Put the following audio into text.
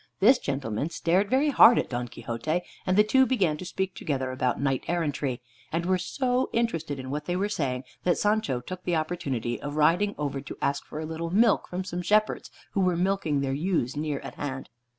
This gentleman stared very hard at Don Quixote, and the two began to speak together about knight errantry, and were so interested in what they were saying, that Sancho took the opportunity of riding over to ask for a little milk from some shepherds, who were milking their ewes near at hand.